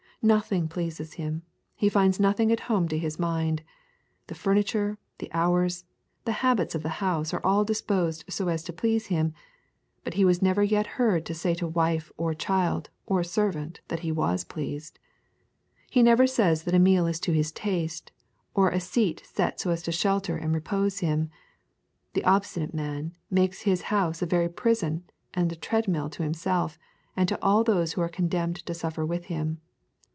Nothing pleases him; he finds nothing at home to his mind. The furniture, the hours, the habits of the house are all disposed so as to please him; but he was never yet heard to say to wife, or child, or servant that he was pleased. He never says that a meal is to his taste or a seat set so as to shelter and repose him. The obstinate man makes his house a very prison and treadmill to himself and to all those who are condemned to suffer with him.